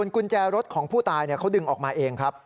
กุญแจรถของผู้ตายเขาดึงออกมาเองครับ